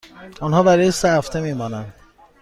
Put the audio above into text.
آنها برای سه هفته می مانند.